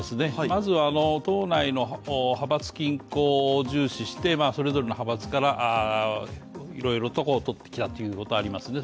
まずは党内の派閥均衡を重視してそれぞれの派閥からいろいろととってきたということがありますね。